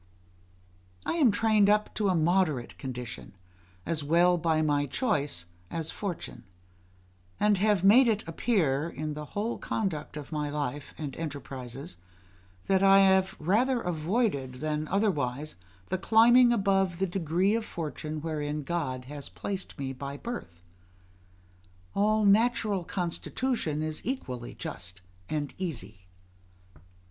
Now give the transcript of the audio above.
I am trained up to a moderate condition, as well by my choice as fortune; and have made it appear, in the whole conduct of my life and enterprises, that I have rather avoided than otherwise the climbing above the degree of fortune wherein God has placed me by my birth; all natural constitution is equally just and easy.